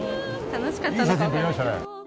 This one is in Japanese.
楽しかったね。